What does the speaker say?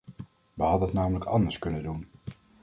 We hadden het namelijk anders kunnen doen.